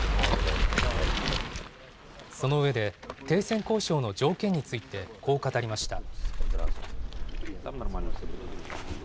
その上で、停戦交渉の条件について、こう語りました。